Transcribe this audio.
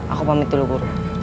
aku pamit dulu guru